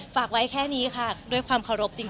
ฝากไว้แค่นี้ค่ะด้วยความเคารพจริง